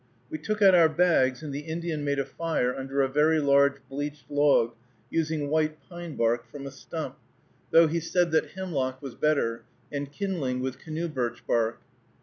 We took out our bags, and the Indian made a fire under a very large bleached log, using white pine bark from a stump, though he said that hemlock was better, and kindling with canoe birch bark.